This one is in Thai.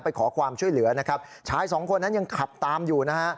ไปขอความช่วยเหลือนะครับชายสองคนนั้นยังขับตามอยู่นะฮะ